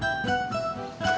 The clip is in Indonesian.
tati disuruh nyiram